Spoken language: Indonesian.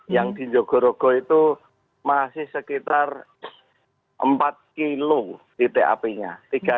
yang di jogorogo itu masih sekitar empat kilo titik apinya